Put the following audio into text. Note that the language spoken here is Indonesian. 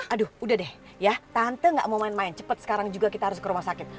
aduh udah deh ya tante gak mau main main cepet sekarang juga kita harus ke rumah sakit